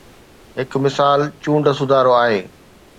هڪ مثال چونڊ سڌارو آهي.